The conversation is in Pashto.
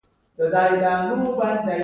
چمتو شوې پنبه په مستقیم ډول په طبیعت کې نشته.